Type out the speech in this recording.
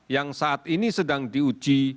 yang saat ini sedang diuji